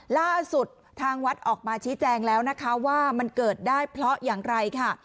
ล่าสุดทางวัดออกมาชี้แจงแล้วนะคะว่ามันเกิดได้เพราะอย่างไรค่ะ